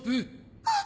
あっ！